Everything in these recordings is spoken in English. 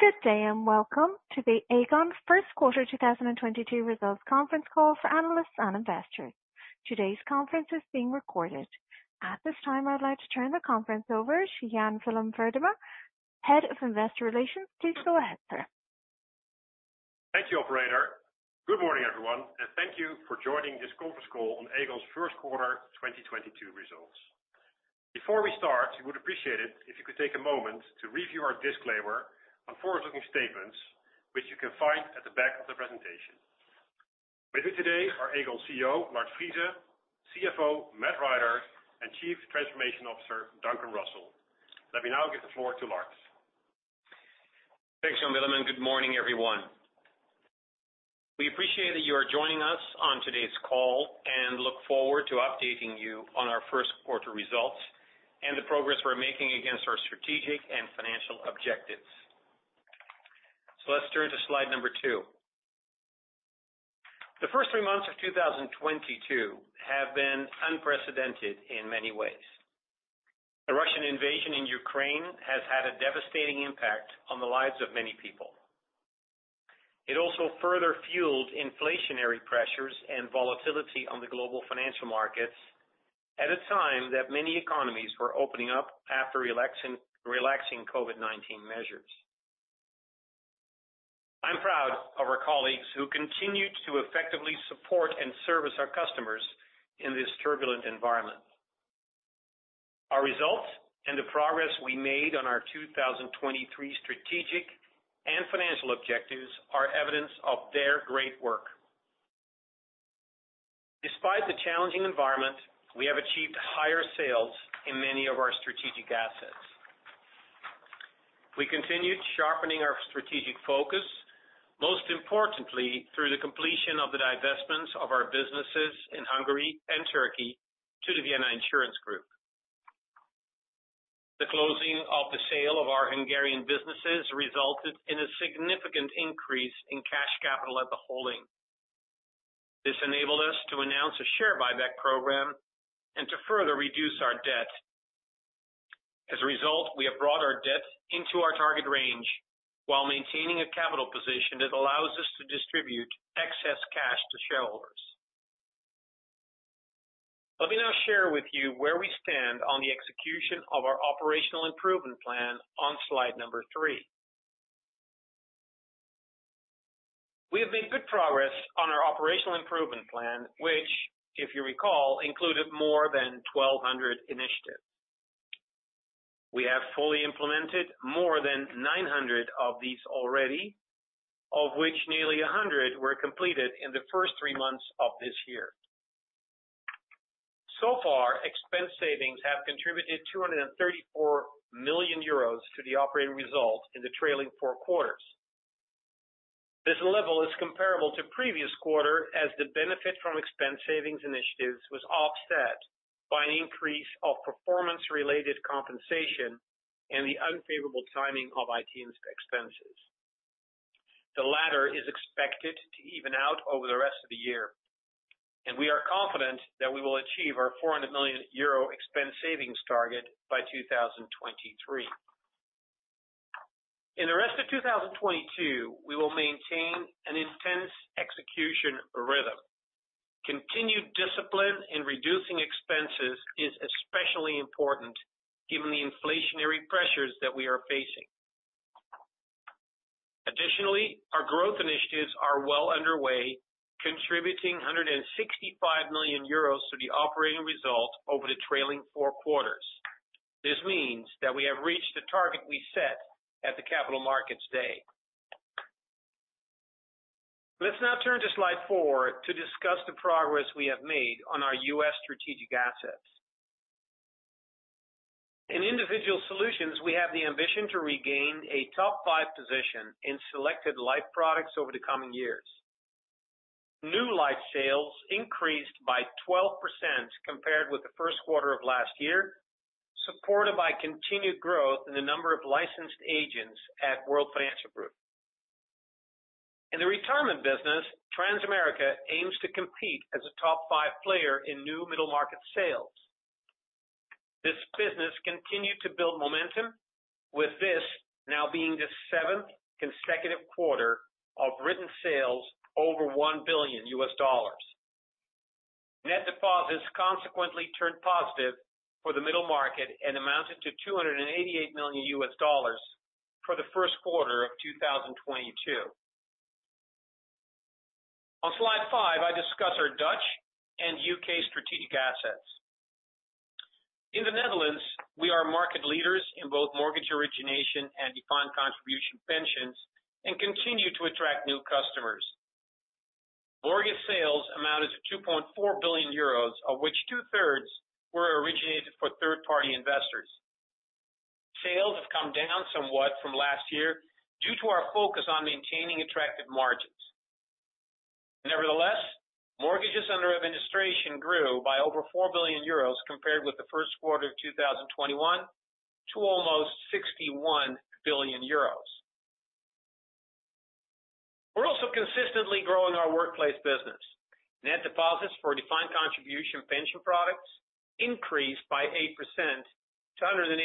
Good day and welcome to the Aegon First Quarter 2022 Results Conference Call for analysts and investors. Today's conference is being recorded. At this time, I'd like to turn the conference over to Jan Willem Weidema, Head of Investor Relations. Please go ahead, sir. Thank you, operator. Good morning, everyone, and thank you for joining this conference call on Aegon's First Quarter 2022 Results. Before we start, we would appreciate it if you could take a moment to review our disclaimer on forward-looking statements, which you can find at the back of the presentation. With me today are Aegon CEO, Lard Friese, CFO, Matt Rider, and Chief Transformation Officer, Duncan Russell. Let me now give the floor to Lard. Thanks, Jan Willem, and good morning, everyone. We appreciate that you are joining us on today's call and look forward to updating you on our first quarter results and the progress we're making against our strategic and financial objectives. Let's turn to slide number two. The first three months of 2022 have been unprecedented in many ways. The Russian invasion in Ukraine has had a devastating impact on the lives of many people. It also further fueled inflationary pressures and volatility on the global financial markets at a time that many economies were opening up after relaxing COVID-19 measures. I'm proud of our colleagues who continued to effectively support and service our customers in this turbulent environment. Our results and the progress we made on our 2023 strategic and financial objectives are evidence of their great work. Despite the challenging environment, we have achieved higher sales in many of our strategic assets. We continued sharpening our strategic focus, most importantly through the completion of the divestments of our businesses in Hungary and Turkey to the Vienna Insurance Group. The closing of the sale of our Hungarian businesses resulted in a significant increase in cash capital at the holding. This enabled us to announce a share buyback program and to further reduce our debt. As a result, we have brought our debt into our target range while maintaining a capital position that allows us to distribute excess cash to shareholders. Let me now share with you where we stand on the execution of our operational improvement plan on slide number three. We have made good progress on our operational improvement plan, which, if you recall, included more than 1,200 initiatives. We have fully implemented more than 900 of these already, of which nearly 100 were completed in the first three months of this year. Far, expense savings have contributed 234 million euros to the operating results in the trailing four quarters. This level is comparable to previous quarter as the benefit from expense savings initiatives was offset by an increase of performance-related compensation and the unfavorable timing of IT expenses. The latter is expected to even out over the rest of the year, and we are confident that we will achieve our 400 million euro expense savings target by 2023. In the rest of 2022, we will maintain an intense execution rhythm. Continued discipline in reducing expenses is especially important given the inflationary pressures that we are facing. Additionally, our growth initiatives are well underway, contributing 165 million euros to the operating results over the trailing four quarters. This means that we have reached the target we set at the Capital Markets Day. Let's now turn to slide four to discuss the progress we have made on our U.S. strategic assets. In Individual Solutions, we have the ambition to regain a top five position in selected life products over the coming years. New life sales increased by 12% compared with the first quarter of last year, supported by continued growth in the number of licensed agents at World Financial Group. In the retirement business, Transamerica aims to compete as a top five player in new middle market sales. This business continued to build momentum, with this now being the seventh consecutive quarter of written sales over $1 billion. Net deposits consequently turned positive for the middle market and amounted to $288 million for the first quarter of 2022. On slide five, I discuss our Dutch and U.K. strategic assets. In the Netherlands, we are market leaders in both mortgage origination and defined contribution pensions and continue to attract new customers. Mortgage sales amounted to 2.4 billion euros, of which two-thirds were originated for third-party investors. Sales have come down somewhat from last year due to our focus on maintaining attractive margins. Nevertheless, mortgages under administration grew by over 4 billion euros compared with the first quarter of 2021 to almost 61 billion euros. Also consistently growing our workplace business. Net deposits for defined contribution pension products increased by 8% to 86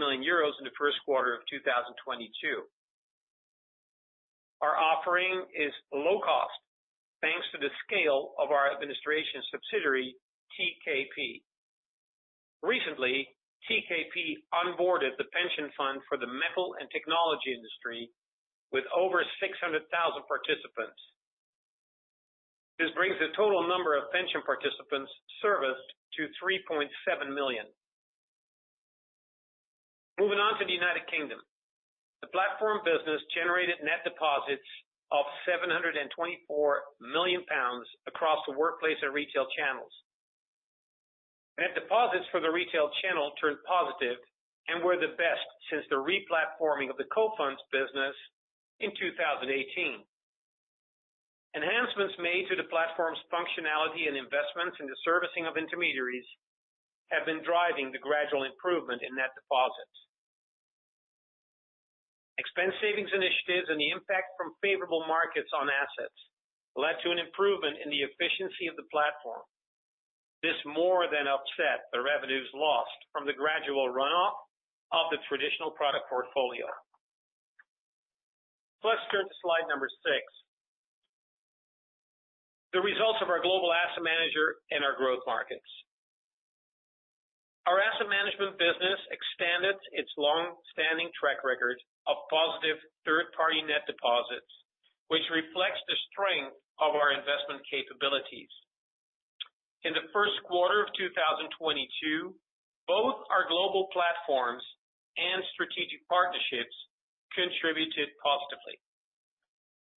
million euros in the first quarter of 2022. Our offering is low cost, thanks to the scale of our administration subsidiary, TKP. Recently, TKP onboarded the pension fund for the metal and technology industry with over 600,000 participants. This brings the total number of pension participants serviced to 3.7 million. Moving on to the United Kingdom. The platform business generated net deposits of 724 million pounds across the workplace and retail channels. Net deposits for the retail channel turned positive and were the best since the re-platforming of the Cofunds business in 2018. Enhancements made to the platform's functionality and investments in the servicing of intermediaries have been driving the gradual improvement in net deposits. Expense savings initiatives and the impact from favorable markets on assets led to an improvement in the efficiency of the platform. This more than offset the revenues lost from the gradual runoff of the traditional product portfolio. Let's turn to slide six. The results of our global asset manager in our growth markets. Our asset management business expanded its long-standing track record of positive third-party net deposits, which reflects the strength of our investment capabilities. In the first quarter of 2022, both our global platforms and strategic partnerships contributed positively.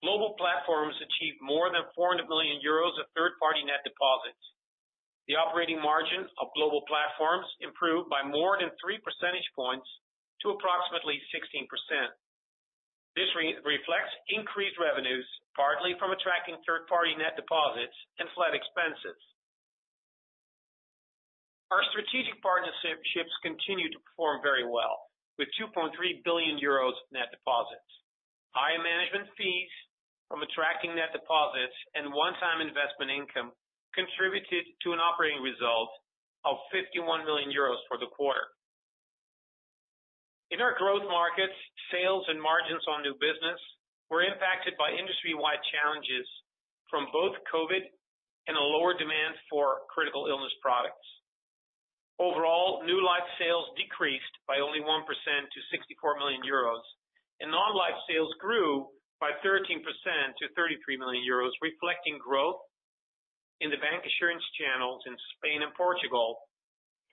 Global platforms achieved more than 400 million euros of third-party net deposits. The operating margin of global platforms improved by more than three percentage points to approximately 16%. This reflects increased revenues, partly from attracting third-party net deposits and flat expenses. Our strategic partnerships continue to perform very well with 2.3 billion euros net deposits. Higher management fees from attracting net deposits and one-time investment income contributed to an operating result of 51 million euros for the quarter. In our growth markets, sales and margins on new business were impacted by industry-wide challenges from both COVID-19 and a lower demand for critical illness products. Overall, new life sales decreased by only 1% to 64 million euros, and non-life sales grew by 13% to 33 million euros, reflecting growth in the bank insurance channels in Spain and Portugal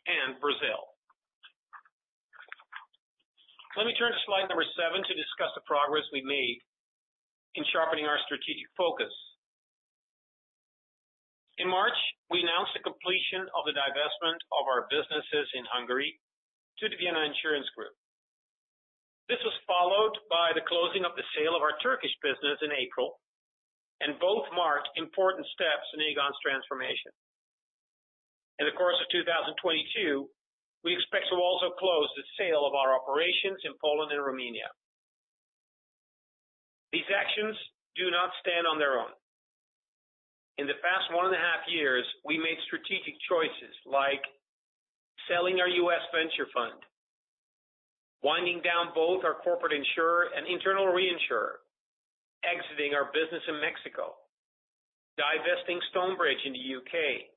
and Brazil. Let me turn to slide number seven to discuss the progress we made in sharpening our strategic focus. In March, we announced the completion of the divestment of our businesses in Hungary to the Vienna Insurance Group. This was followed by the closing of the sale of our Turkish business in April, and both marked important steps in Aegon's transformation. In the course of 2022, we expect to also close the sale of our operations in Poland and Romania. These actions do not stand on their own. In the past one and a half years, we made strategic choices like selling our U.S. venture fund, winding down both our corporate insurer and internal reinsurer, exiting our business in Mexico, divesting Stonebridge in the U.K.,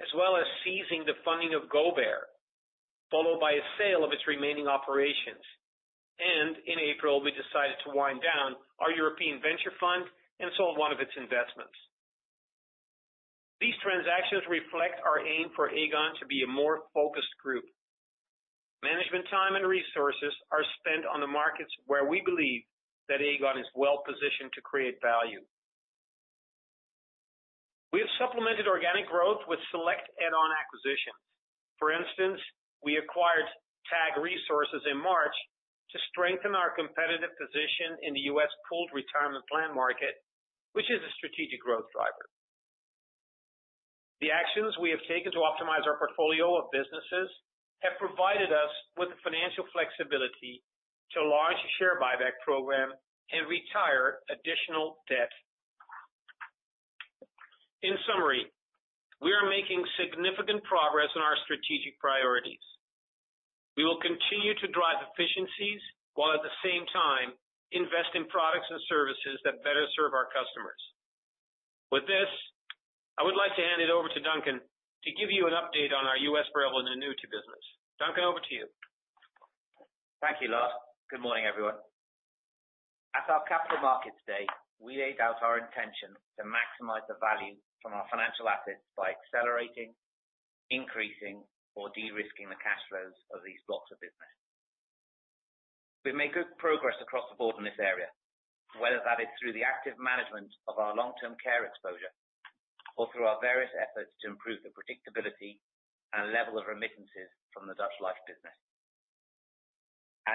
as well as ceasing the funding of GoBear, followed by a sale of its remaining operations. In April, we decided to wind down our European venture fund and sold one of its investments. These transactions reflect our aim for Aegon to be a more focused group. Management time and resources are spent on the markets where we believe that Aegon is well-positioned to create value. We have supplemented organic growth with select add-on acquisitions. For instance, we acquired TAG Resources in March to strengthen our competitive position in the U.S. pooled retirement plan market, which is a strategic growth driver. The actions we have taken to optimize our portfolio of businesses have provided us with the financial flexibility to launch a share buyback program and retire additional debt. In summary, we are making significant progress in our strategic priorities. We will continue to drive efficiencies while at the same time invest in products and services that better serve our customers. With this, I would like to hand it over to Duncan to give you an update on our U.S. variable annuity business. Duncan, over to you. Thank you, Lars. Good morning, everyone. At our Capital Markets Day, we laid out our intention to maximize the value from our financial assets by accelerating, increasing or de-risking the cash flows of these blocks of business. We've made good progress across the board in this area, whether that is through the active management of our long-term care exposure or through our various efforts to improve the predictability and level of remittances from the Dutch Life business.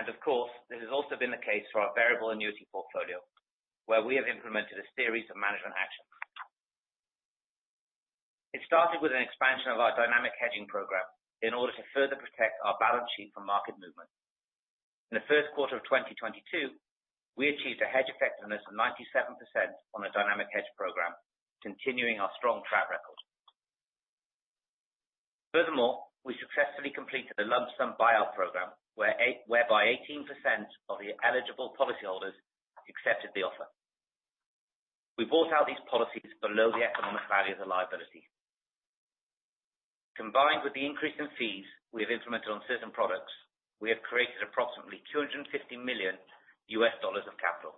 Of course, this has also been the case for our variable annuity portfolio, where we have implemented a series of management actions. It started with an expansion of our dynamic hedging program in order to further protect our balance sheet from market movement. In the first quarter of 2022, we achieved a hedge effectiveness of 97% on a dynamic hedge program, continuing our strong track record. Furthermore, we successfully completed a lump sum buyout program, whereby 18% of the eligible policyholders accepted the offer. We bought out these policies below the economic value of the liability. Combined with the increase in fees we have implemented on certain products, we have created approximately $250 million of capital.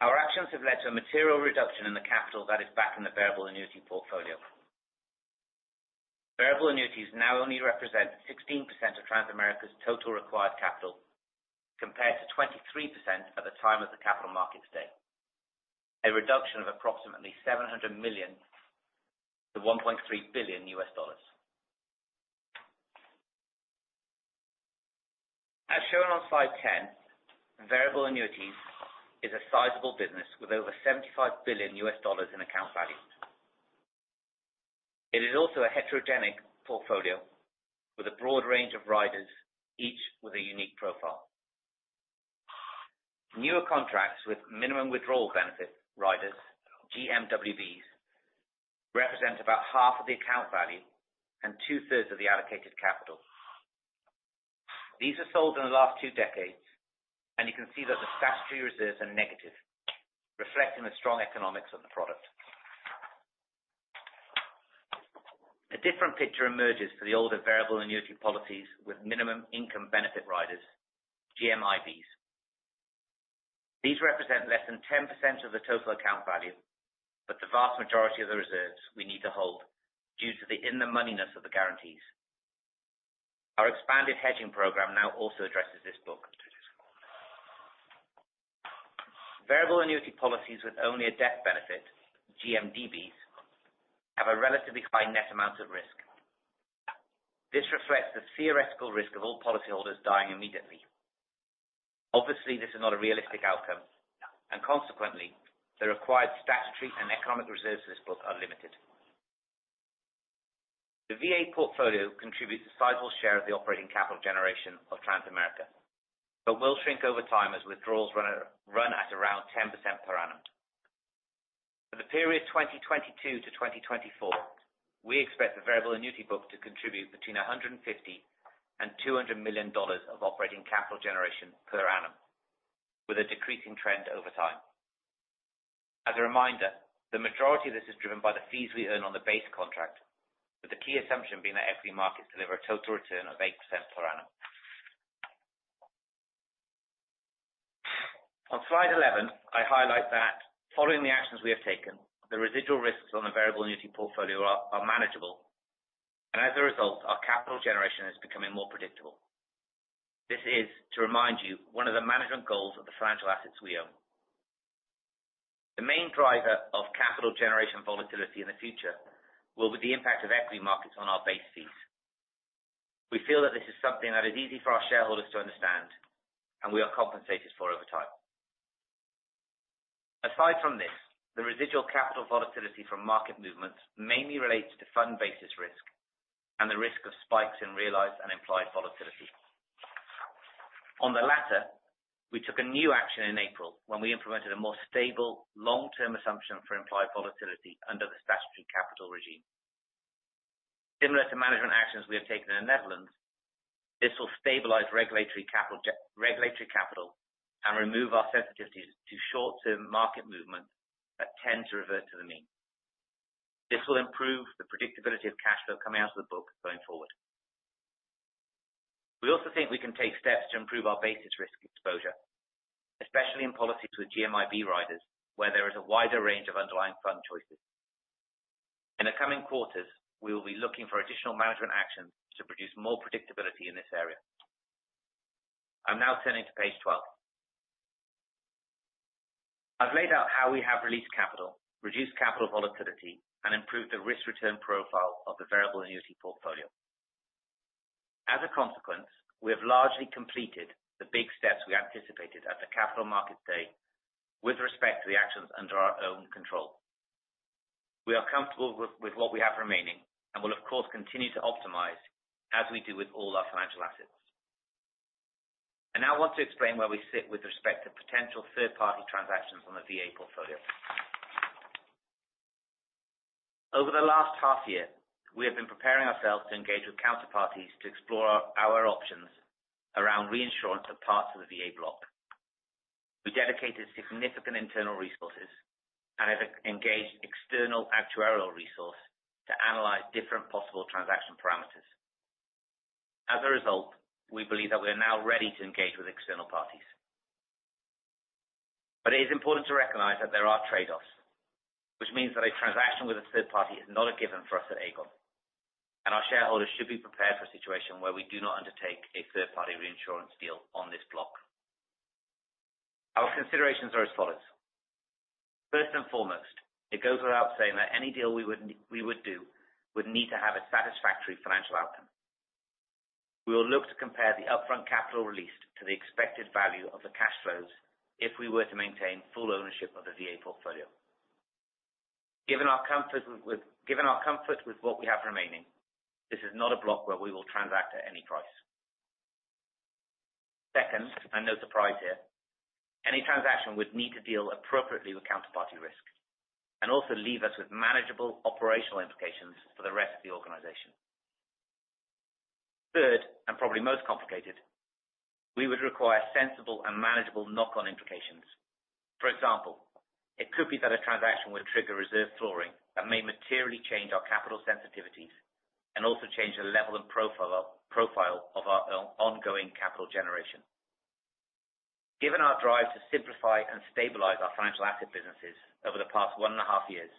Our actions have led to a material reduction in the capital that is backed in the variable annuity portfolio. Variable annuities now only represent 16% of Transamerica's total required capital compared to 23% at the time of the Capital Markets Day. A reduction of approximately $700 million-$1.3 billion. As shown on slide 10, variable annuities is a sizable business with over $75 billion in account value. It is also a heterogeneous portfolio with a broad range of riders, each with a unique profile. Newer contracts with minimum withdrawal benefit riders, GMWBs, represent about half of the account value and two-thirds of the allocated capital. These are sold in the last two decades, and you can see that the statutory reserves are negative, reflecting the strong economics of the product. A different picture emerges for the older variable annuity policies with minimum income benefit riders, GMIBs. These represent less than 10% of the total account value, but the vast majority of the reserves we need to hold due to the in-the-moneyness of the guarantees. Our expanded hedging program now also addresses this book. Variable annuity policies with only a death benefit, GMDBs, have a relatively high net amount at risk. This reflects the theoretical risk of all policyholders dying immediately. Obviously, this is not a realistic outcome, and consequently, the required statutory and economic reserves for this book are limited. The VA portfolio contributes a sizable share of the operating capital generation of Transamerica, but will shrink over time as withdrawals run at around 10% per annum. For the period 2022 to 2024, we expect the variable annuity book to contribute between $150 million and $200 million of operating capital generation per annum, with a decreasing trend over time. As a reminder, the majority of this is driven by the fees we earn on the base contract, with the key assumption being that equity markets deliver a total return of 8% per annum. On slide 11, I highlight that following the actions we have taken, the residual risks on the variable annuity portfolio are manageable. As a result, our capital generation is becoming more predictable. This is, to remind you, one of the management goals of the financial assets we own. The main driver of capital generation volatility in the future will be the impact of equity markets on our base fees. We feel that this is something that is easy for our shareholders to understand, and we are compensated for over time. Aside from this, the residual capital volatility from market movements mainly relate to the fund basis risk and the risk of spikes in realized and implied volatility. On the latter, we took a new action in April when we implemented a more stable long-term assumption for implied volatility under the statutory capital regime. Similar to management actions we have taken in the Netherlands, this will stabilize regulatory capital gen. Regulatory capital and remove our sensitivities to short-term market movement that tend to revert to the mean. This will improve the predictability of cash flow coming out of the book going forward. We also think we can take steps to improve our basis risk exposure, especially in policies with GMIB riders, where there is a wider range of underlying fund choices. In the coming quarters, we will be looking for additional management actions to produce more predictability in this area. I'm now turning to page 12. I've laid out how we have released capital, reduced capital volatility, and improved the risk-return profile of the variable annuity portfolio. As a consequence, we have largely completed the big steps we anticipated at the Capital Markets Day with respect to the actions under our own control. We are comfortable with what we have remaining and will of course continue to optimize as we do with all our financial assets. I now want to explain where we sit with respect to potential third-party transactions on the VA portfolio. Over the last half year, we have been preparing ourselves to engage with counterparties to explore our options around reinsurance of parts of the VA block. We dedicated significant internal resources and have engaged external actuarial resource to analyze different possible transaction parameters. As a result, we believe that we are now ready to engage with external parties. It is important to recognize that there are trade-offs, which means that a transaction with a third party is not a given for us at Aegon, and our shareholders should be prepared for a situation where we do not undertake a third-party reinsurance deal on this block. Our considerations are as follows. First and foremost, it goes without saying that any deal we would do would need to have a satisfactory financial outcome. We will look to compare the upfront capital released to the expected value of the cash flows if we were to maintain full ownership of the VA portfolio. Given our comfort with what we have remaining, this is not a block where we will transact at any price. Second, and no surprise here, any transaction would need to deal appropriately with counterparty risk and also leave us with manageable operational implications for the rest of the organization. Third, and probably most complicated, we would require sensible and manageable knock-on implications. For example, it could be that a transaction would trigger reserve flooring that may materially change our capital sensitivities and also change the level and profile of our ongoing capital generation. Given our drive to simplify and stabilize our financial asset businesses over the past one and a half years,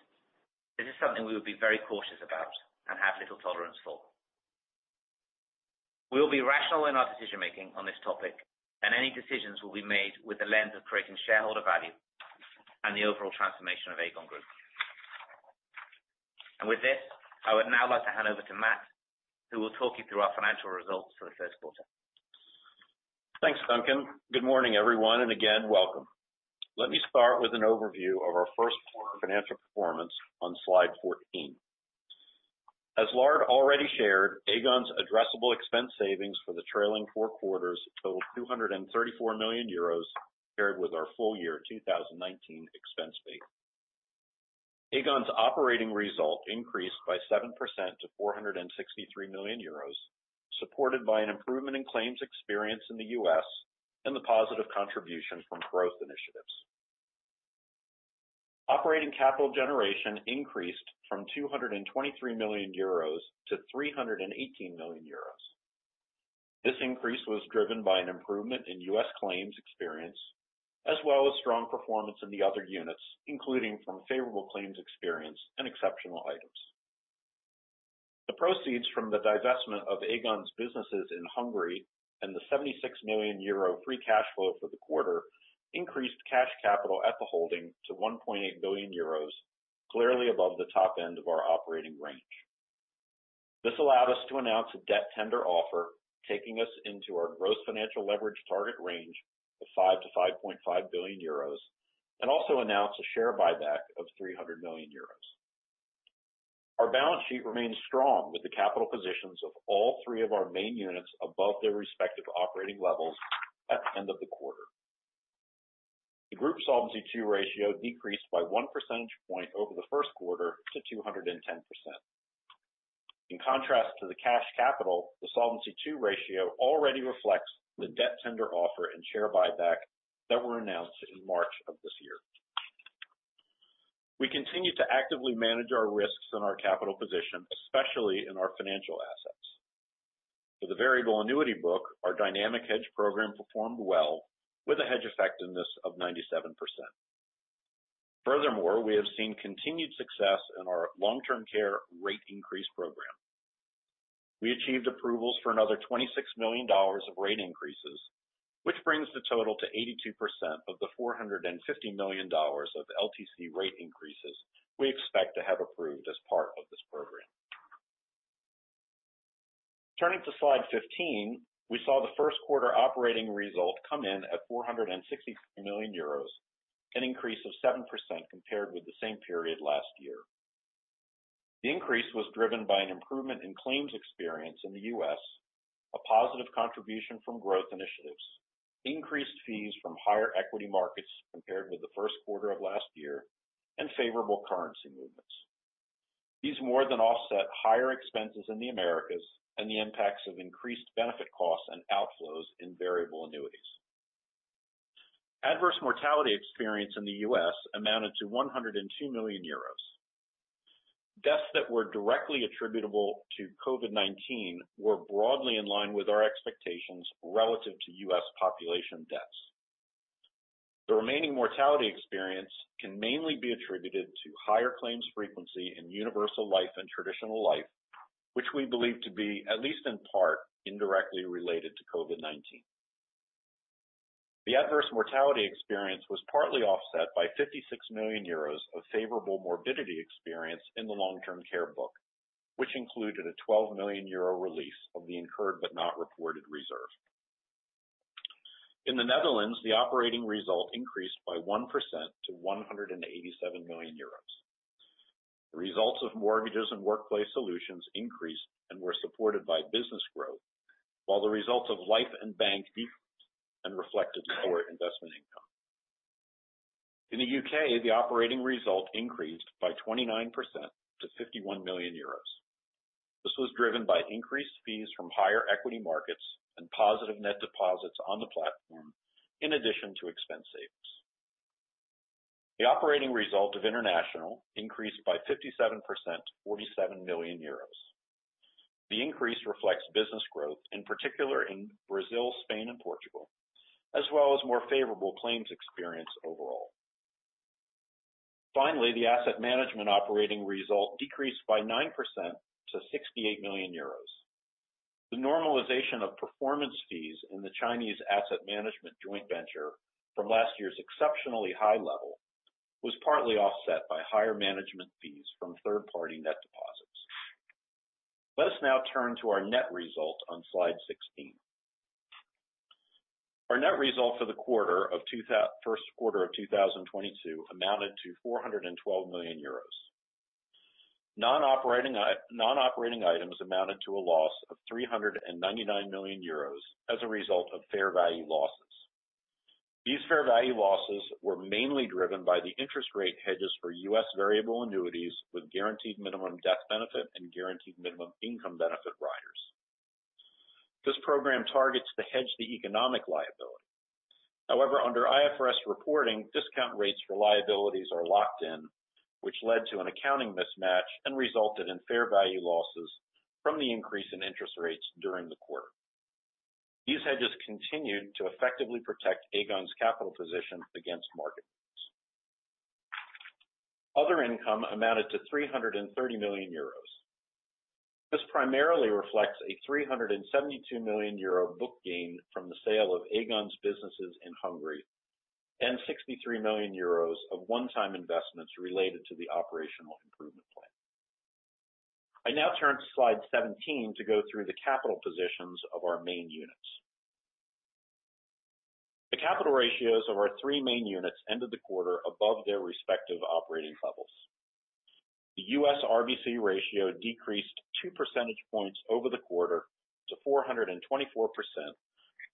this is something we would be very cautious about and have little tolerance for. We will be rational in our decision-making on this topic, and any decisions will be made with the lens of creating shareholder value and the overall transformation of Aegon Group. With this, I would now like to hand over to Matt, who will talk you through our financial results for the first quarter. Thanks, Duncan. Good morning, everyone, and again, welcome. Let me start with an overview of our first quarter financial performance on slide 14. As Lard already shared, Aegon's addressable expense savings for the trailing four quarters totaled 234 million euros, paired with our full-year 2019 expense base. Aegon's operating result increased by 7% to 463 million euros, supported by an improvement in claims experience in the U.S. And the positive contribution from growth initiatives. Operating capital generation increased from 223 million euros to 318 million euros. This increase was driven by an improvement in U.S. claims experience, as well as strong performance in the other units, including from favorable claims experience and exceptional items. The proceeds from the divestment of Aegon's businesses in Hungary and the 76 million euro free cash flow for the quarter increased cash capital at the holding to 1.8 billion euros, clearly above the top end of our operating range. This allowed us to announce a debt tender offer, taking us into our gross financial leverage target range of 5-5.5 billion euros, and also announce a share buyback of 300 million euros. Our balance sheet remains strong with the capital positions of all three of our main units above their respective operating levels at the end of the quarter. The Group Solvency II ratio decreased by one percentage point over the first quarter to 210%. In contrast to the cash capital, the Solvency II ratio already reflects the debt tender offer and share buyback that were announced in March of this year. We continue to actively manage our risks and our capital position, especially in our financial assets. For the variable annuity book, our dynamic hedge program performed well with a hedge effectiveness of 97%. Furthermore, we have seen continued success in our long-term care rate increase program. We achieved approvals for another $26 million of rate increases, which brings the total to 82% of the $450 million of LTC rate increases we expect to have approved as part of this program. Turning to slide 15, we saw the first quarter operating result come in at 463 million euros, an increase of 7% compared with the same period last year. The increase was driven by an improvement in claims experience in the U.S., a positive contribution from growth initiatives, increased fees from higher equity markets compared with the first quarter of last year, and favorable currency movements. These more than offset higher expenses in the Americas and the impacts of increased benefit costs and outflows in variable annuities. Adverse mortality experience in the U.S. amounted to 102 million euros. Deaths that were directly attributable to COVID-19 were broadly in line with our expectations relative to U.S. population deaths. The remaining mortality experience can mainly be attributed to higher claims frequency in universal life and traditional life, which we believe to be, at least in part, indirectly related to COVID-19. The adverse mortality experience was partly offset by 56 million euros of favorable morbidity experience in the long-term care book, which included a 12 million euro release of the incurred but not reported reserve. In the Netherlands, the operating result increased by 1% to 187 million euros. The results of mortgages and workplace solutions increased and were supported by business growth, while the results of life and bank decreased and reflected lower investment income. In the U.K., the operating result increased by 29% to 51 million euros. This was driven by increased fees from higher equity markets and positive net deposits on the platform in addition to expense savings. The operating result of international increased by 57% to 47 million euros. The increase reflects business growth, in particular in Brazil, Spain, and Portugal, as well as more favorable claims experience overall. Finally, the asset management operating result decreased by 9% to 68 million euros. The normalization of performance fees in the Chinese asset management joint venture from last year's exceptionally high level was partly offset by higher management fees from third party net deposits. Let us now turn to our net result on slide 16. Our net result for the first quarter of 2022 amounted to 412 million euros. Non-operating items amounted to a loss of 399 million euros as a result of fair value losses. These fair value losses were mainly driven by the interest rate hedges for U.S. variable annuities with guaranteed minimum death benefit and guaranteed minimum income benefit riders. This program targets to hedge the economic liability. However, under IFRS reporting, discount rates for liabilities are locked in, which led to an accounting mismatch and resulted in fair value losses from the increase in interest rates during the quarter. These hedges continued to effectively protect Aegon's capital position against market risks. Other income amounted to 330 million euros. This primarily reflects a 372 million euro book gain from the sale of Aegon's businesses in Hungary, and 63 million euros of one-time investments related to the operational improvement plan. I now turn to slide 17 to go through the capital positions of our main units. The capital ratios of our three main units ended the quarter above their respective operating levels. The U.S. RBC ratio decreased two percentage points over the quarter to 424%,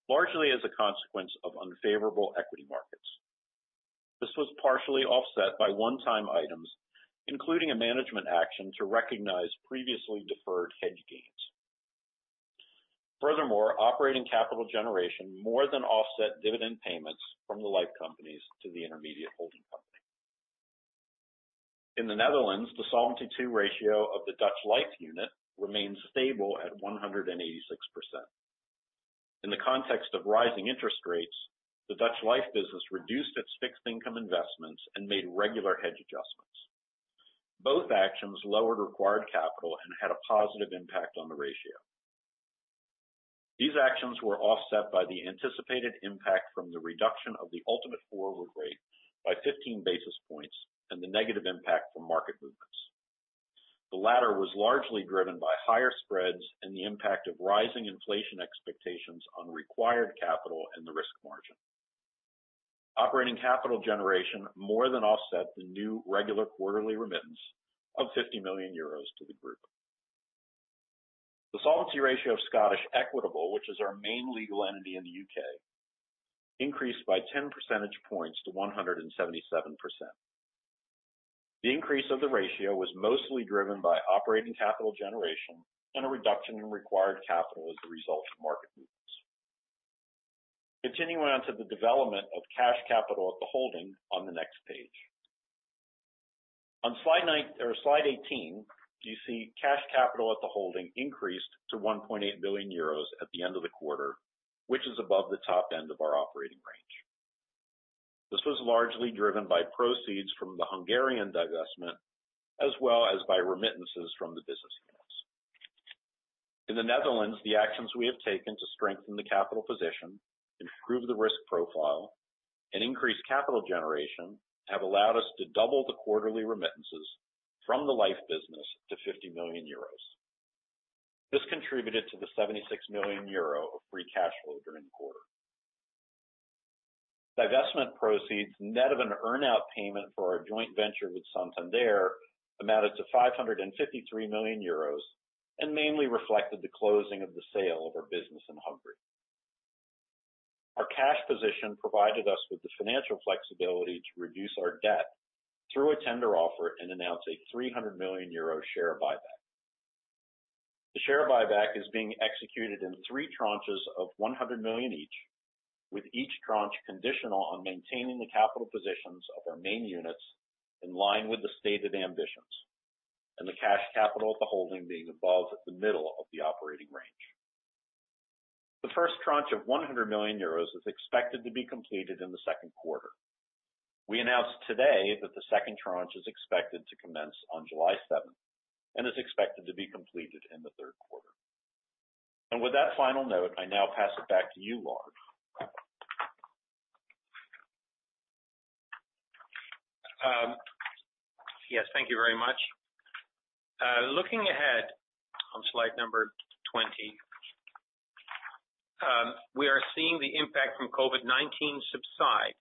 largely as a consequence of unfavorable equity markets. This was partially offset by one-time items, including a management action to recognize previously deferred hedge gains. Furthermore, operating capital generation more than offset dividend payments from the life companies to the intermediate holding company. In the Netherlands, the Solvency II ratio of the Dutch Life unit remains stable at 186%. In the context of rising interest rates, the Dutch Life business reduced its fixed income investments and made regular hedge adjustments. Both actions lowered required capital and had a positive impact on the ratio. These actions were offset by the anticipated impact from the reduction of the ultimate forward rate by 15 basis points and the negative impact from market movements. The latter was largely driven by higher spreads and the impact of rising inflation expectations on required capital and the risk margin. Operating capital generation more than offset the new regular quarterly remittance of 50 million euros to the group. The solvency ratio of Scottish Equitable, which is our main legal entity in the U.K., increased by 10 percentage points to 177%. The increase of the ratio was mostly driven by operating capital generation and a reduction in required capital as a result of market movements. Continuing on to the development of cash capital at the holding on the next page. On slide nine or slide 18, you see cash capital at the holding increased to 1.8 billion euros at the end of the quarter, which is above the top end of our operating range. This was largely driven by proceeds from the Hungarian divestment, as well as by remittances from the business units. In the Netherlands, the actions we have taken to strengthen the capital position, improve the risk profile, and increase capital generation have allowed us to double the quarterly remittances from the life business to 50 million euros. This contributed to the 76 million euro of free cash flow during the quarter. Divestment proceeds net of an earn-out payment for our joint venture with Santander amounted to 553 million euros, and mainly reflected the closing of the sale of our business in Hungary. Our cash position provided us with the financial flexibility to reduce our debt through a tender offer and announce a 300 million euro share buyback. The share buyback is being executed in three tranches of 100 million each, with each tranche conditional on maintaining the capital positions of our main units in line with the stated ambitions, and the cash capital at the holding being above the middle of the operating range. The first tranche of 100 million euros is expected to be completed in the second quarter. We announced today that the second tranche is expected to commence on July seventh, and is expected to be completed in the third quarter. With that final note, I now pass it back to you, Lard. Yes, thank you very much. Looking ahead on Slide 20, we are seeing the impact from COVID-19 subside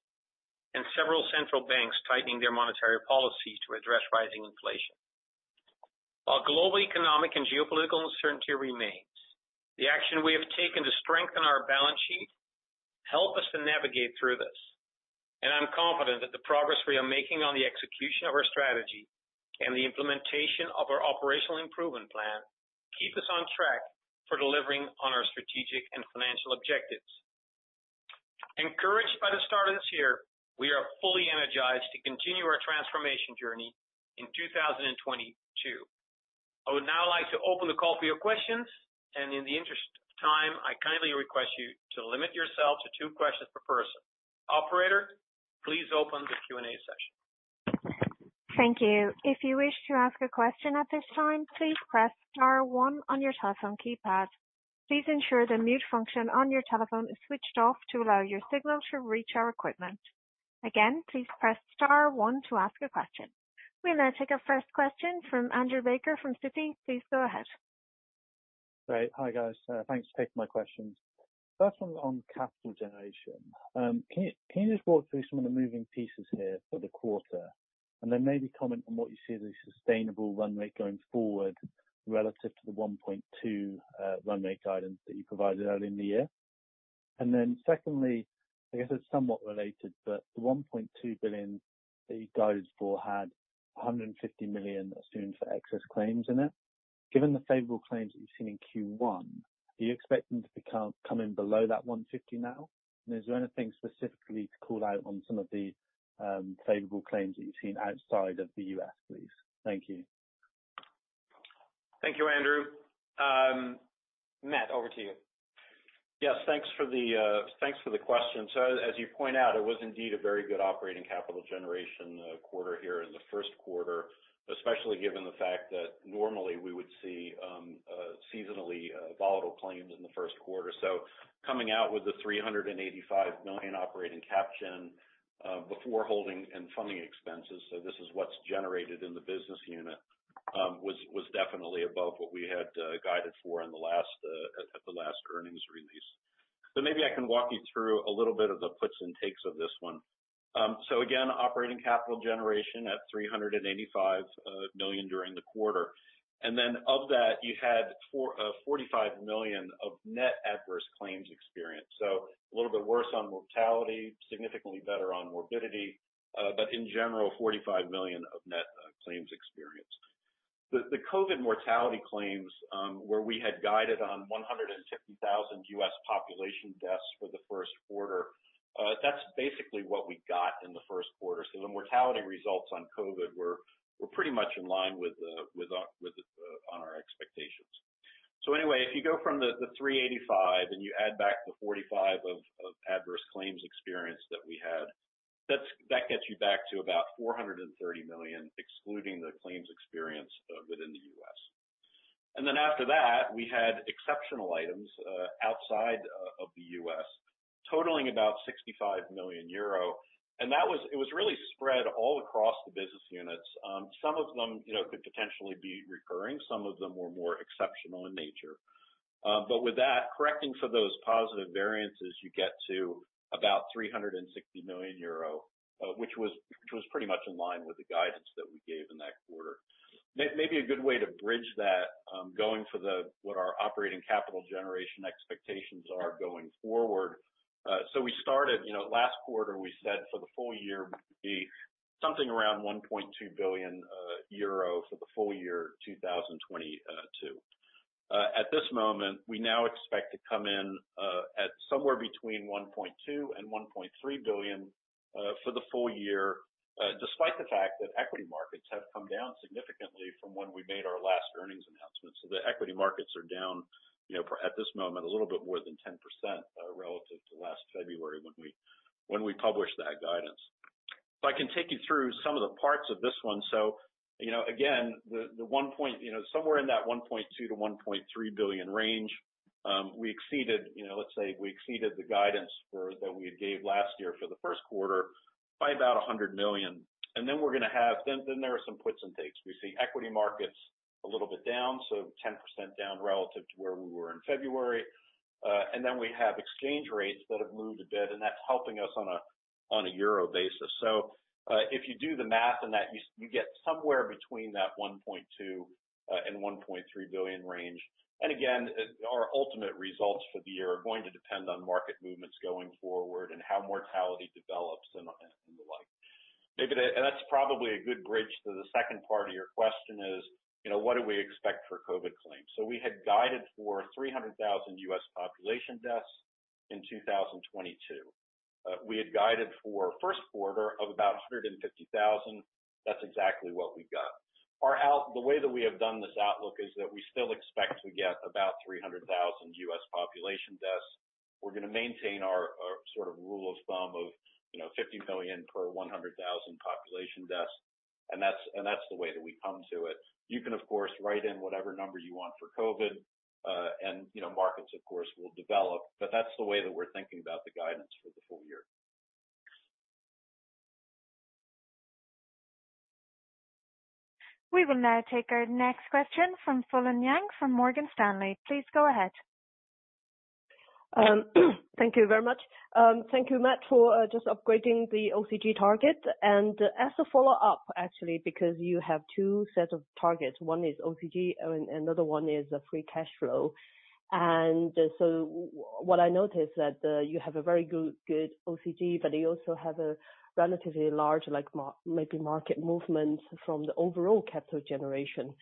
and several central banks tightening their monetary policy to address rising inflation. While global economic and geopolitical uncertainty remains, the action we have taken to strengthen our balance sheet help us to navigate through this, and I'm confident that the progress we are making on the execution of our strategy and the implementation of our operational improvement plan keep us on track for delivering on our strategic and financial objectives. Encouraged by the start of this year, we are fully energized to continue our transformation journey in 2022. I would now like to open the call for your questions, and in the interest of time, I kindly request you to limit yourself to two questions per person. Operator, please open the Q&A session. Thank you. If you wish to ask a question at this time, please press star one on your telephone keypad. Please ensure the mute function on your telephone is switched off to allow your signal to reach our equipment. Again, please press star one to ask a question. We'll now take our first question from Andrew Baker from Citi. Please go ahead. Great. Hi, guys. Thanks for taking my questions. First one's on capital generation. Can you just walk through some of the moving pieces here for the quarter, and then maybe comment on what you see as a sustainable run rate going forward relative to the 1.2 run rate guidance that you provided early in the year? Secondly, I guess it's somewhat related, but the 1.2 billion that you guided for had 150 million assumed for excess claims in it. Given the favorable claims that you've seen in Q1, do you expect them to come in below that 150 now? Is there anything specifically to call out on some of the favorable claims that you've seen outside of the U.S., please? Thank you. Thank you, Andrew. Matt, over to you. Yes, thanks for the question. As you point out, it was indeed a very good operating capital generation quarter here in the first quarter, especially given the fact that normally we would see seasonally volatile claims in the first quarter. Coming out with the 385 million operating cap gen before holding and funding expenses, so this is what's generated in the business unit was definitely above what we had guided for at the last earnings release. Maybe I can walk you through a little bit of the puts and takes of this one. Again, operating capital generation at 385 million during the quarter. Then of that, you had 45 million of net adverse claims experienced. A little bit worse on mortality, significantly better on morbidity, but in general, 45 million of net claims experienced. The COVID mortality claims, where we had guided on 150,000 U.S. population deaths for the first quarter, that's basically what we got in the first quarter. The mortality results on COVID were pretty much in line with our expectations. Anyway, if you go from the 385 million and you add back the 45 million of adverse claims experienced that we had, that gets you back to about 430 million, excluding the claims experienced within the U.S. Then after that, we had exceptional items outside of the U.S. totaling about 65 million euro, and that was. It was really spread all across the business units. Some of them, you know, could potentially be recurring, some of them were more exceptional in nature. With that, correcting for those positive variances, you get to about 360 million euro, which was pretty much in line with the guidance that we gave in that quarter. Maybe a good way to bridge that, going forward, what our operating capital generation expectations are going forward. You know, last quarter we said for the full year would be something around 1.2 billion euro for the full year 2022. At this moment, we now expect to come in at somewhere between 1.2 billion and 1.3 billion for the full year, despite the fact that equity markets have come down significantly from when we made our last earnings announcement. The equity markets are down, you know, at this moment a little bit more than 10%, relative to last February when we published that guidance. I can take you through some of the parts of this one. You know, again, the one point, somewhere in that 1.2 to 1.3 billion range, we exceeded, you know, let's say we exceeded the guidance that we had gave last year for the first quarter by about 100 million. Then we're gonna have. There are some puts and takes. We see equity markets a little bit down, 10% down relative to where we were in February. We have exchange rates that have moved a bit, and that's helping us on a euro basis. If you do the math on that, you get somewhere between that 1.2 billion-1.3 billion range. Our ultimate results for the year are going to depend on market movements going forward and how mortality develops and the like. That's probably a good bridge to the second part of your question, you know, what do we expect for COVID claims? We had guided for 300,000 U.S. population deaths in 2022. We had guided for first quarter of about 150,000. That's exactly what we got. The way that we have done this outlook is that we still expect to get about 300,000 U.S. population deaths. We're gonna maintain our sort of rule of thumb of, you know, 50 million per 100,000 population deaths, and that's the way that we come to it. You can of course write in whatever number you want for COVID, and you know, markets of course will develop, but that's the way that we're thinking about the guidance for the full year. We will now take our next question from Fulin Liang from Morgan Stanley. Please go ahead. Thank you very much. Thank you, Matt, for just upgrading the OCG target. As a follow-up actually, because you have two set of targets. One is OCG and another one is free cash flow. What I noticed that you have a very good OCG, but you also have a relatively large like maybe market movement from the overall capital generation.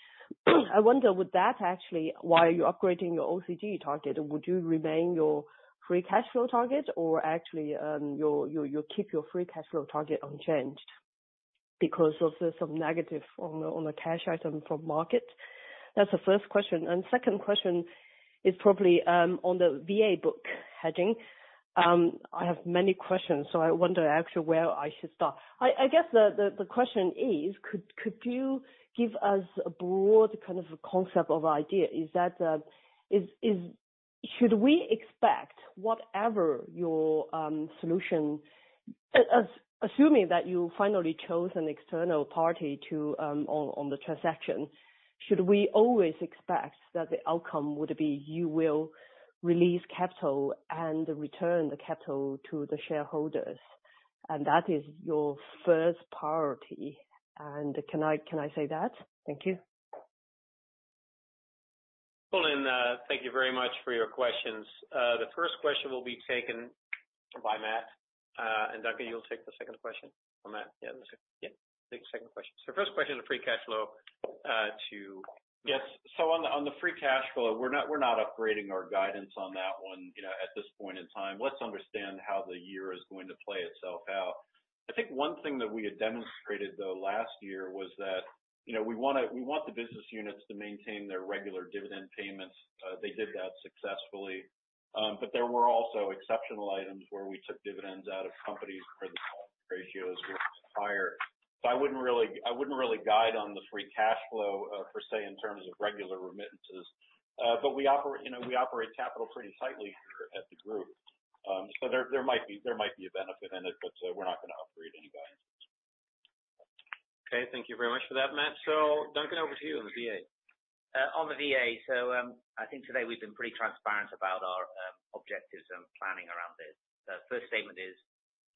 I wonder, would that actually, while you're upgrading your OCG target, would you remain your free cash flow target or actually, you'll keep your free cash flow target unchanged because of some negative on the cash item from market? That's the first question. Second question is probably on the VA book hedging. I have many questions, so I wonder actually where I should start. I guess the question is, should we expect whatever your solution, assuming that you finally chose an external party to on the transaction, should we always expect that the outcome would be you will release capital and return the capital to the shareholders, and that is your first priority? Can I say that? Thank you. Fulin, thank you very much for your questions. The first question will be taken by Matt, and Duncan, you'll take the second question. Or Matt? Yeah. Take the second question. First question on free cash flow, to Matt. Yes. On the free cash flow, we're not upgrading our guidance on that one, you know, at this point in time. Let's understand how the year is going to play itself out. I think one thing that we had demonstrated though last year was that, you know, we want the business units to maintain their regular dividend payments. They did that successfully. But there were also exceptional items where we took dividends out of companies where the ratios were higher. I wouldn't really guide on the free cash flow, per se, in terms of regular remittances. But we operate, you know, capital pretty tightly here at the group. There might be a benefit in it, but we're not gonna upgrade any guidance. Okay. Thank you very much for that, Matt. Duncan, over to you on the VA. On the VA, I think today we've been pretty transparent about our objectives and planning around this. The first statement is,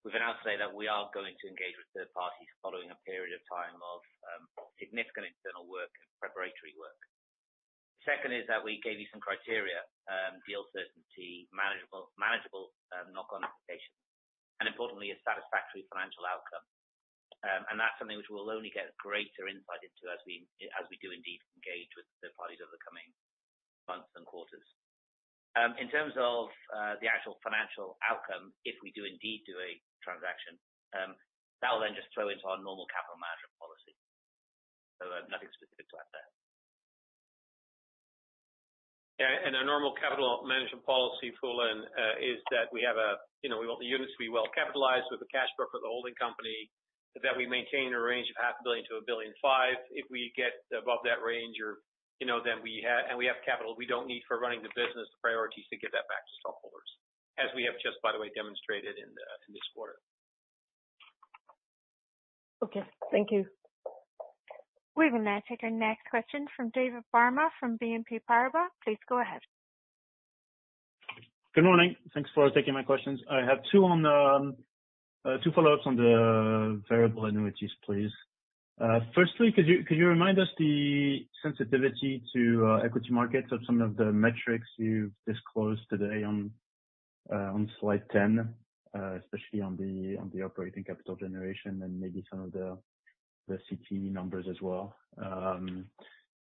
we've announced today that we are going to engage with third parties following a period of time of significant internal work and preparatory work. Second is that we gave you some criteria, deal certainty, manageable knock-on implications, and importantly, a satisfactory financial outcome. That's something which we'll only get greater insight into as we do indeed engage with the parties over the coming months and quarters. In terms of the actual financial outcome, if we do indeed do a transaction, that will then just flow into our normal capital management policy. Nothing specific to add there. Our normal capital management policy, Fulin, is that we have a, you know, we want the units to be well capitalized with the cash buffer, the holding company, that we maintain a range of EUR half a billion to 1.5 billion. If we get above that range or, you know, then we have capital we don't need for running the business, the priority is to give that back to shareholders, as we have just, by the way, demonstrated in this quarter. Okay. Thank you. We will now take our next question from David Barma from BNP Paribas. Please go ahead. Good morning. Thanks for taking my questions. I have two follow-ups on the variable annuities, please. Firstly, could you remind us the sensitivity to equity markets of some of the metrics you've disclosed today on slide ten, especially on the operating capital generation and maybe some of the CTE numbers as well.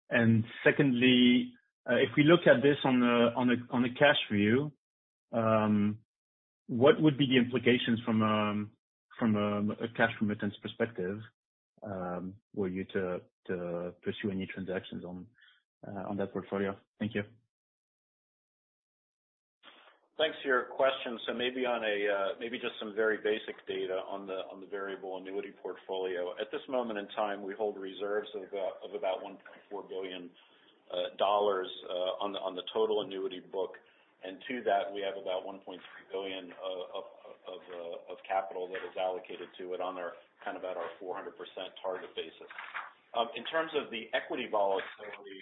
And secondly, if we look at this on a cash view, what would be the implications from a cash remittance perspective, were you to pursue any transactions on that portfolio? Thank you. Thanks for your question. Maybe just some very basic data on the variable annuity portfolio. At this moment in time, we hold reserves of about $1.4 billion on the total annuity book. To that, we have about $1.3 billion of capital that is allocated to it on our kind of at our 400% target basis. In terms of the equity volatility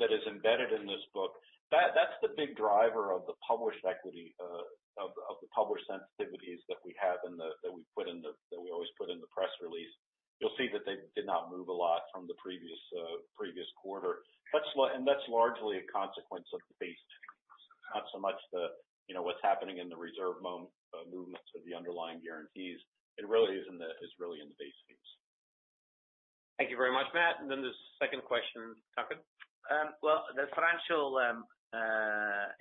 that is embedded in this book, that's the big driver of the published equity sensitivities that we always put in the press release. You'll see that they did not move a lot from the previous quarter. That's largely a consequence of the base fees, not so much, you know, what's happening in the reserve movements of the underlying guarantees. It really is in the base fees. Thank you very much, Matt. The second question, Duncan. Well, the financial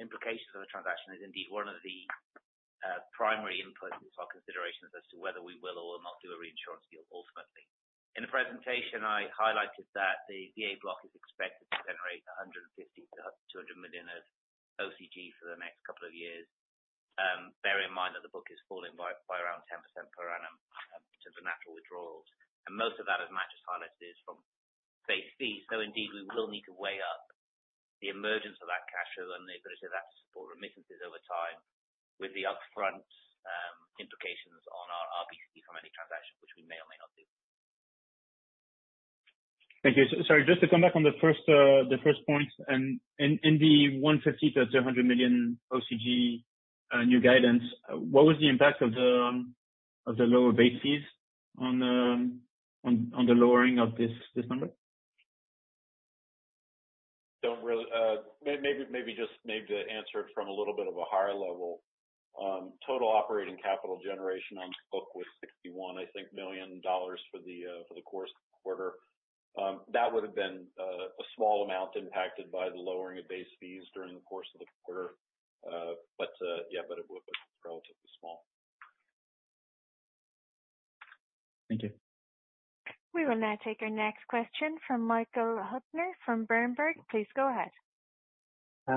implications of a transaction is indeed one of the primary inputs into our considerations as to whether we will or will not do a reinsurance deal ultimately. In the presentation, I highlighted that the VA block is expected to generate 150-200 million of OCG for the next couple of years. Bear in mind that the book is falling by around 10% per annum due to natural withdrawals. Most of that, as Matt just highlighted, is from base fees. Indeed, we will need to weigh up the emergence of that cash flow and the ability of that to support remittances over time with the upfront implications on our RBC from any transaction, which we may or may not do. Thank you. Sorry, just to come back on the first point. In the 150-200 million OCG new guidance, what was the impact of the lower base fees on the lowering of this number? Maybe just to answer it from a little bit of a higher level. Total operating capital generation on the book was $61 million, I think, for the course of the quarter. That would have been a small amount impacted by the lowering of base fees during the course of the quarter. It would have been relatively small. Thank you. We will now take our next question from Michael Huttner from Berenberg. Please go ahead.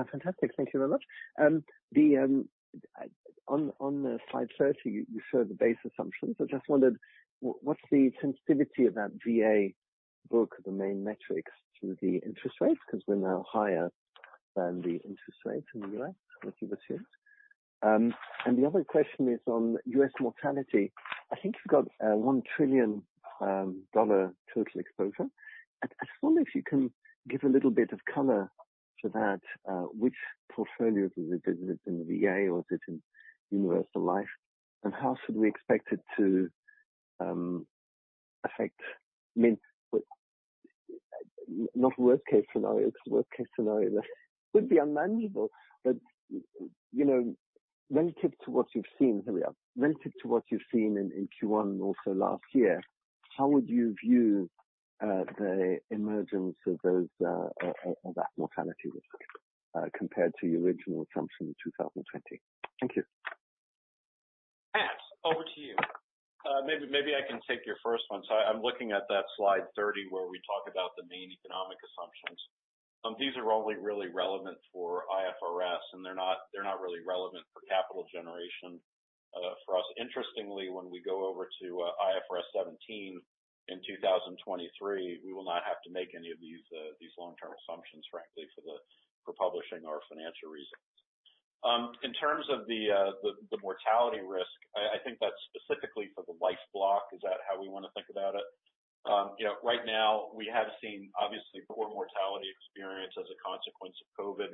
Fantastic. Thank you very much. On the slide 30, you show the base assumptions. I just wondered, what's the sensitivity of that VA book, the main metrics to the interest rates, 'cause rates are now higher than the interest rates in the U.S., which you've assumed. The other question is on U.S. mortality. I think you've got $1 trillion total exposure. I just wonder if you can give a little bit of color to that, which portfolios is it in, is it in the VA or is it in universal life, and how should we expect it to affect. I mean, but not worst-case scenario, it's worst-case scenario that could be unmanageable. You know, relative to what you've seen here, relative to what you've seen in Q1 and also last year, how would you view the emergence of those of that mortality risk compared to your original assumption in 2020? Thank you. Matt Rider, over to you. Maybe I can take your first one. I'm looking at that slide 30 where we talk about the main economic assumptions. These are only really relevant for IFRS, and they're not really relevant for capital generation for us. Interestingly, when we go over to IFRS 17 in 2023, we will not have to make any of these long-term assumptions, frankly, for publishing our financial results. In terms of the mortality risk, I think that's specifically for the life block. Is that how we wanna think about it? You know, right now we have seen obviously poor mortality experience as a consequence of COVID.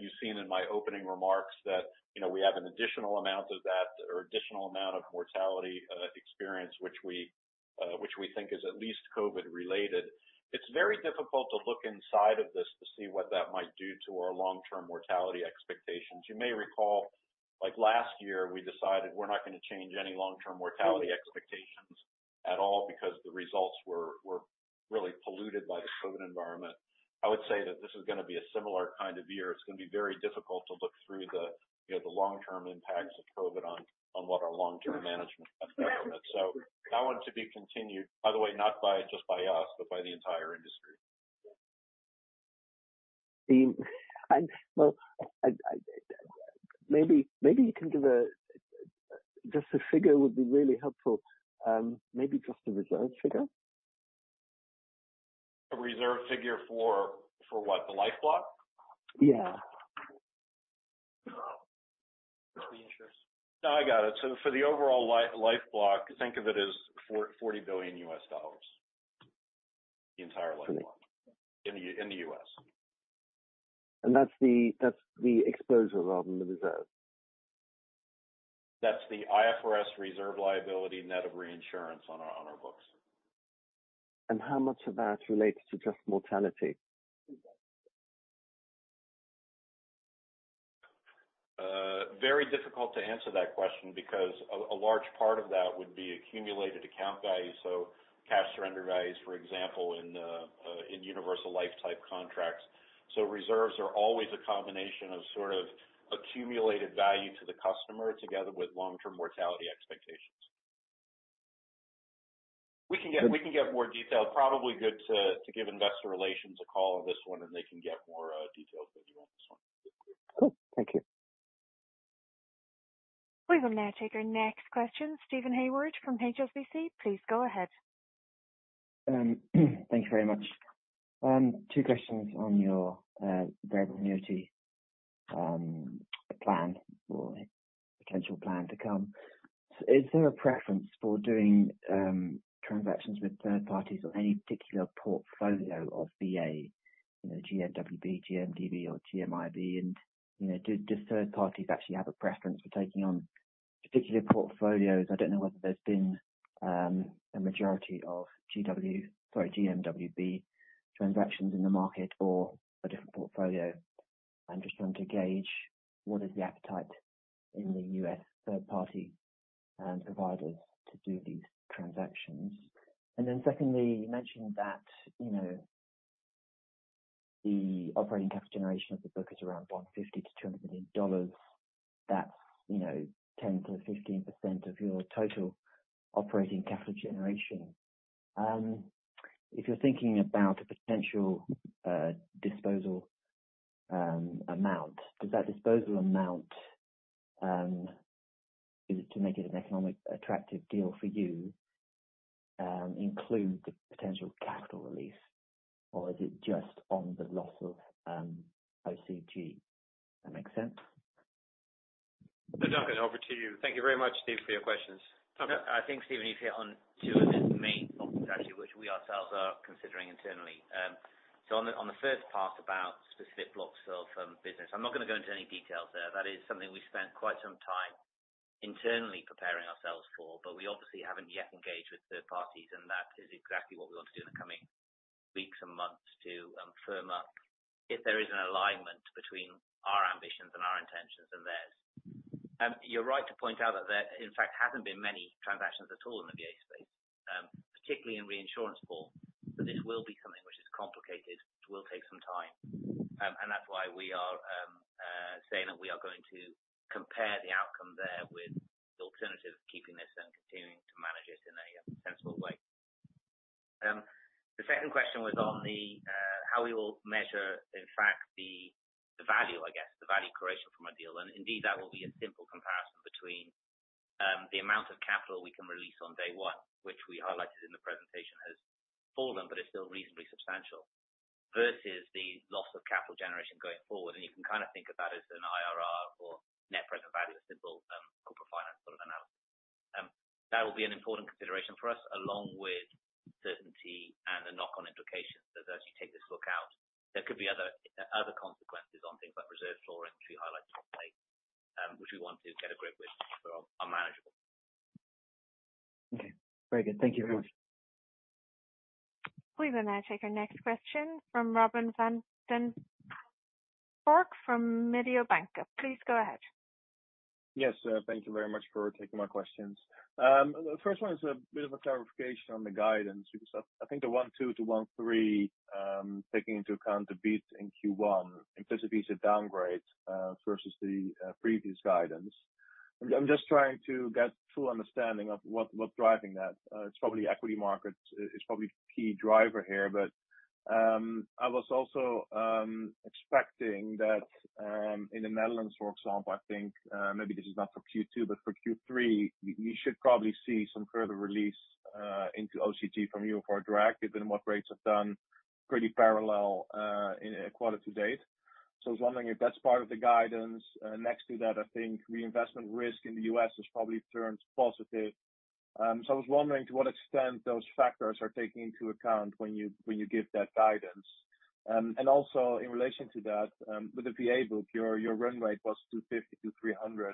You've seen in my opening remarks that, you know, we have an additional amount of that or additional amount of mortality experience which we think is at least COVID related. It's very difficult to look inside of this to see what that might do to our long-term mortality expectations. You may recall, like last year, we decided we're not gonna change any long-term mortality expectations at all because the results were really polluted by the COVID environment. I would say that this is gonna be a similar kind of year. It's gonna be very difficult to look through the, you know, the long-term impacts of COVID on what our long-term mortality. So that one to be continued, by the way, not just by us, but by the entire industry. Well, maybe you can give. Just a figure would be really helpful, maybe just a reserve figure. A reserve figure for what? The life block? Yeah. The insurance. No, I got it. For the overall life block, think of it as for $40 billion, the entire life block. Great. In the, in the U.S. That's the exposure rather than the reserve. That's the IFRS reserve liability net of reinsurance on our books. How much of that relates to just mortality? Very difficult to answer that question because a large part of that would be accumulated account value, so cash surrender values, for example, in universal life type contracts. Reserves are always a combination of sort of accumulated value to the customer together with long-term mortality expectations. We can get more detail. Probably good to give Investor Relations a call on this one, and they can get more details if you want this one. Cool. Thank you. We will now take our next question. Stephen Hayward from HSBC, please go ahead. Thank you very much. Two questions on your variable annuity plan or potential plan to come. Is there a preference for doing transactions with third parties or any particular portfolio of VA, you know, GMWB, GMDB or GMIB? And, you know, do third parties actually have a preference for taking on particular portfolios? I don't know whether there's been a majority of GMWB transactions in the market or a different portfolio. I'm just trying to gauge what is the appetite in the U.S. third-party providers to do these transactions. And then secondly, you mentioned that, you know, the operating cash generation of the book is around $150-$200 million. That's, you know, 10%-15% of your total operating capital generation. If you're thinking about a potential disposal amount, does that disposal amount to make it an economically attractive deal for you include the potential capital release, or is it just on the loss of OCG? That makes sense. Duncan, over to you. Thank you very much, Stephen, for your questions. Duncan. I think, Stephen, you've hit on two of the main topics actually, which we ourselves are considering internally. On the first part about specific blocks of business, I'm not gonna go into any details there. That is something we spent quite some time internally preparing ourselves for, but we obviously haven't yet engaged with third parties, and that is exactly what we want to do in the coming weeks and months to firm up if there is an alignment between our ambitions and our intentions and theirs. You're right to point out that there in fact hasn't been many transactions at all in the VA space, particularly in reinsurance pool. This will be something which is complicated, which will take some time. That's why we are saying that we are going to compare the outcome there with the alternative of keeping this and continuing to manage it in a sensible way. The second question was on how we will measure, in fact, the value, I guess, the value creation from a deal. Indeed, that will be a simple comparison between the amount of capital we can release on day one, which we highlighted in the presentation has fallen but is still reasonably substantial, versus the loss of capital generation going forward. You can kind of think of that as an IRR or net present value, a simple corporate finance sort of analysis. That will be an important consideration for us, along with certainty and the knock-on implications as you take this look out. There could be other consequences on things like reserve floor entry highlights on plate, which we want to get a grip on so they are manageable. Okay. Very good. Thank you very much. We will now take our next question from Robin van den Broek from Mediobanca. Please go ahead. Yes, thank you very much for taking my questions. The first one is a bit of a clarification on the guidance, because I think the 1.2-1.3, taking into account the beat in Q1 implicitly is a downgrade versus the previous guidance. I'm just trying to get full understanding of what's driving that. It's probably equity markets is probably key driver here. I was also expecting that in the Netherlands, for example, I think maybe this is not for Q2, but for Q3, you should probably see some further release into OCG from UFR drug, given what rates have done pretty parallel in equity to date. I was wondering if that's part of the guidance. Next to that, I think reinvestment risk in the U.S. has probably turned positive. So I was wondering to what extent those factors are taken into account when you give that guidance. Also in relation to that, with the VA book, your run rate was 250-300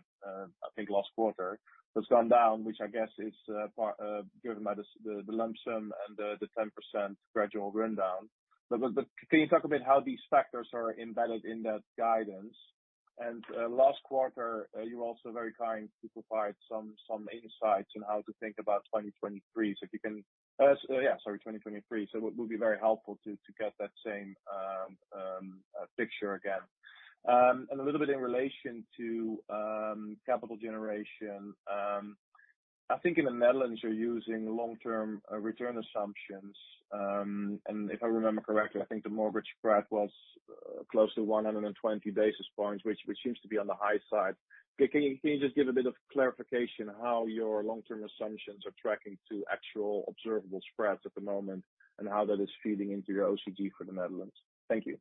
last quarter. It's gone down, which I guess is partly given by the lump sum and the 10% gradual rundown. But can you talk a bit how these factors are embedded in that guidance? Last quarter, you were also very kind to provide some insights on how to think about 2023. If you can. Yeah. Sorry, 2023. It would be very helpful to get that same picture again. A little bit in relation to capital generation, I think in the Netherlands you're using long-term return assumptions. If I remember correctly, I think the mortgage spread was close to 120 basis points, which seems to be on the high side. Can you just give a bit of clarification how your long-term assumptions are tracking to actual observable spreads at the moment, and how that is feeding into your OCG for the Netherlands? Thank you.